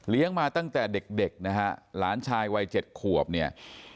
มาตั้งแต่เด็กนะฮะหลานชายวัย๗ขวบเนี่ย